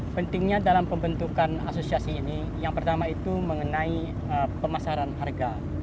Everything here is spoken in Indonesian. pentingnya dalam pembentukan asosiasi ini yang pertama itu mengenai pemasaran harga